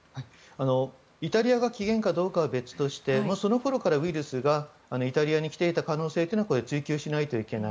イタリアが起源かどうかは別としてそのころからウイルスがイタリアに来ていた可能性は追求しないといけない。